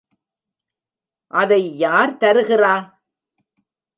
அதை யார் தருகிறா?